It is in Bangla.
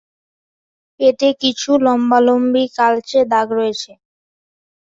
পেটে কিছু লম্বালম্বি কালচে দাগ রয়েছে।